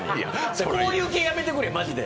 こういう系やめてくれ、マジで。